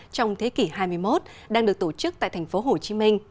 trong thế kỷ hai mươi một đang được tổ chức tại tp hcm